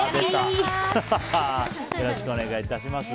よろしくお願いします。